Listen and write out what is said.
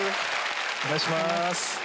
お願いします。